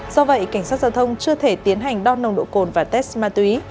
do vậy cảnh sát giao thông chưa thể tiến hành đo nồng độ cồn và test ma túy